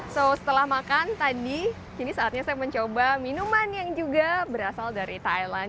jadi setelah makan tadi ini saatnya saya mencoba minuman yang juga berasal dari thailand